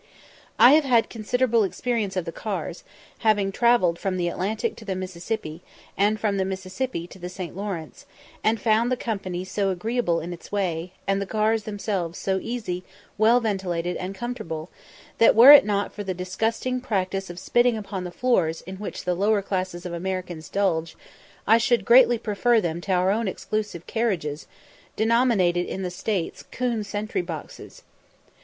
I have had considerable experience of the cars, having travelled from the Atlantic to the Mississippi, and from the Mississippi to the St. Lawrence, and found the company so agreeable in its way, and the cars themselves so easy, well ventilated, and comfortable, that, were it not for the disgusting practice of spitting upon the floors in which the lower classes of Americans indulge, I should greatly prefer them to our own exclusive carriages, denominated in the States "'coon sentry boxes."